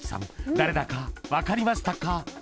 誰だか分かりましたか？